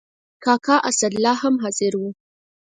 کاکا اسدالله هم حاضر و.